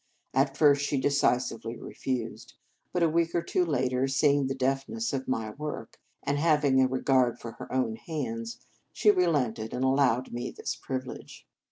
At first she decisively refused; but a week or two later, seeing the deftness of my work, and having a regard for her own hands, she relented, and allowed me this privilege.